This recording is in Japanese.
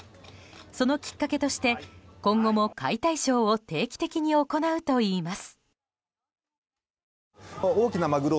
そのきっかけとして今後も解体ショーを定期的に行うといいます。